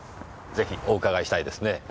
ぜひお伺いしたいですね。